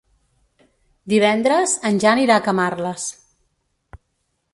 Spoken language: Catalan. Divendres en Jan irà a Camarles.